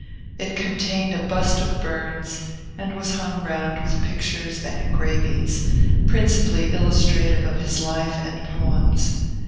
It contained a bust of Burns, and was hung round with pictures and engravings, principally illustrative of his life and poems.